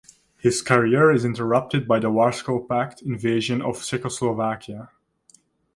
His career is interrupted by the Warsaw Pact invasion of Czechoslovakia.